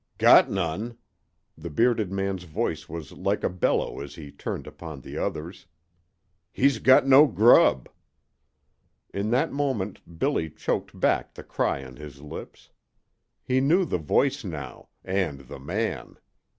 "Got none!" The bearded man's voice was like a bellow as he turned upon the others, "He's got no grub!" In that moment Billy choked back the cry on his lips. He knew the voice now and the man.